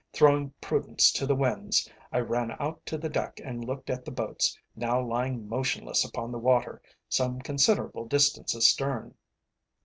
Throwing prudence to the winds, I ran out to the deck and looked at the boats, now lying motionless upon the water some considerable distance astern.